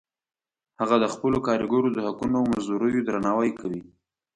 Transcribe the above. هغه د خپلو کاریګرو د حقونو او مزدوریو درناوی کوي